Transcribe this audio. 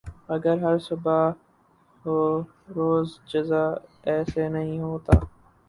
مگر ہر صبح ہو روز جزا ایسے نہیں ہوتا